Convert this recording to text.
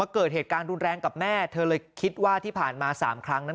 เกิดเหตุการณ์รุนแรงกับแม่เธอเลยคิดว่าที่ผ่านมา๓ครั้งนั้น